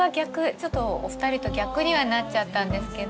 ちょっとお二人と逆にはなっちゃったんですけど。